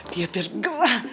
dia biar gerah